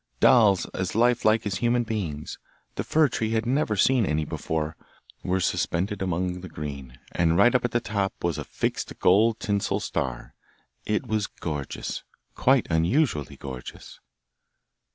Dolls as life like as human beings the fir tree had never seen any before were suspended among the green, and right up at the top was fixed a gold tinsel star; it was gorgeous, quite unusually gorgeous!